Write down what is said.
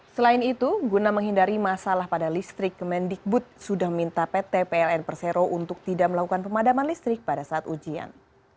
selain itu guna menghindari masalah pada listrik kemendikbud sudah minta pt pln persero untuk tidak melakukan pemadaman listrik pada saat ujian